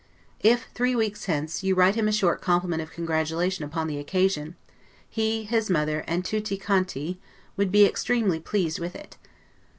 If, three weeks hence, you write him a short compliment of congratulation upon the occasion, he, his mother, and 'tutti quanti', would be extremely pleased with it.